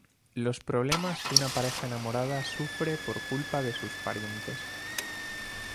Los problemas que una pareja enamorada sufre por culpa de sus parientes.